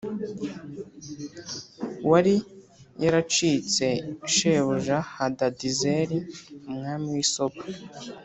wari yaracitse shebuja Hadadezeri umwami w’i Soba